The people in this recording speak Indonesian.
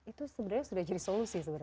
itu sebenarnya sudah jadi solusi sebenarnya